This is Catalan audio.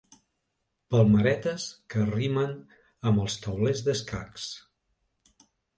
Palmeretes que rimen amb els taulers d'escacs.